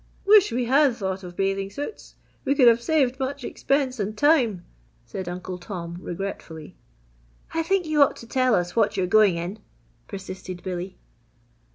"Wish we had thought of bathing suits we could have saved much expense and time," said Uncle Tom, regretfully. "I think you ought to tell us what you are going in!" persisted Billy.